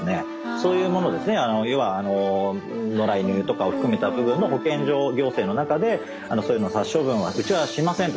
そういうものですね野良犬とかを含めた部分の保健所行政の中でそういうのは殺処分はうちはしませんと。